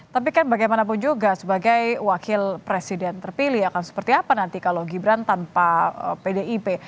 tapi kan bagaimanapun juga sebagai wakil presiden terpilih akan seperti apa nanti kalau gibran tanpa pdip